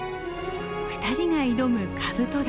２人が挑むカブト嶽。